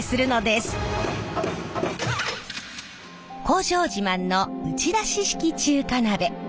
工場自慢の打ち出し式中華鍋。